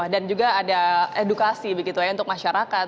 dan juga ada edukasi untuk masyarakat